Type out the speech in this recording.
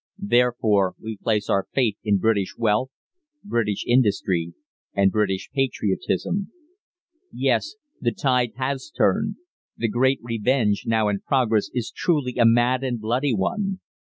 Therefore we place our faith in British wealth, British industry, and British patriotism. "Yes. The tide has turned. The great revenge now in progress is truly a mad and bloody one.